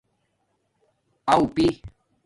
اݸ پی